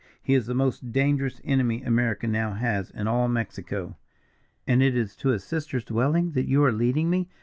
He is the most dangerous enemy America now has in all Mexico." "And it is to his sister's dwelling that you are leading me?"